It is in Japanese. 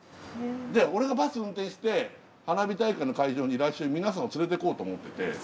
で俺がバス運転して花火大会の会場に来週皆さんを連れてこうと思ってて。